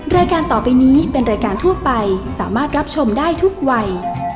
รายการต่อไปนี้เป็นรายการทั่วไปสามารถรับชมได้ทุกวัย